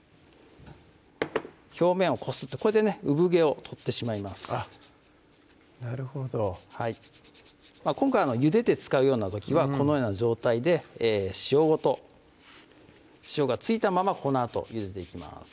表面をこすってこれでね産毛を取ってしまいますなるほどはい今回のゆでて使うような時はこのような状態で塩ごと塩が付いたままこのあとゆでていきます